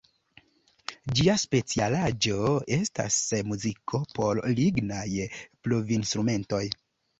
Ĝia specialaĵo estas muziko por lignaj blovinstrumentoj.